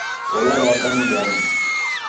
Ulo lwaka ni lwani?